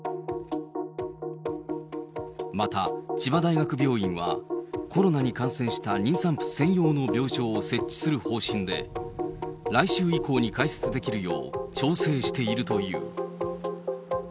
また、千葉大学病院は、コロナに感染した妊産婦専用の病床を設置する方針で、来週以降に開設できるよう調整しているという。